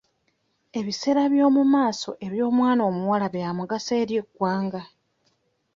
Ebiseera by'omu maaso eby'omwana omuwala byamugaso eri eggwanga.